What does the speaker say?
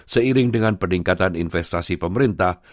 seiring dengan peningkatan investasi pemerintah